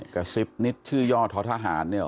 กระซิบนิดชื่อย่อท้อทหารเนี่ย